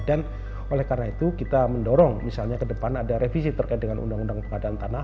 dan oleh karena itu kita mendorong misalnya ke depan ada revisi terkait dengan undang undang pengadaan tanah